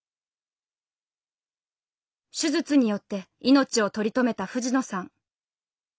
手術によって命を取り留めた藤野さん。